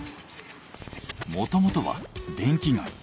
もともとは電気街。